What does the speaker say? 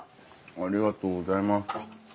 ありがとうございます。